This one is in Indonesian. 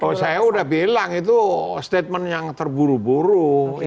oh saya udah bilang itu statement yang terburu buru